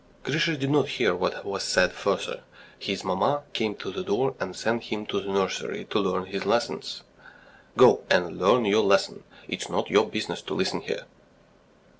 ..." Grisha did not hear what was said further. His mamma came to the door and sent him to the nursery to learn his lessons. "Go and learn your lesson. It's not your business to listen here!"